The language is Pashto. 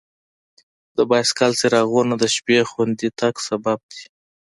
د بایسکل څراغونه د شپې خوندي تګ سبب دي.